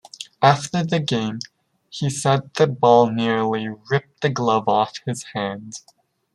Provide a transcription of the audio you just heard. After the game, he said the ball nearly ripped the glove off his hand.